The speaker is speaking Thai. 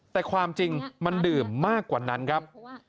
แต่ความจริงมันดื่มมากกว่านั้นครับ